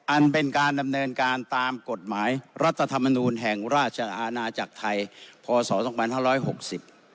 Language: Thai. อันเป็นการดำเนินการตามกฎหมายรัฐธรรมนูลแห่งราชอาณาจากไทยพศ๒๕๖๐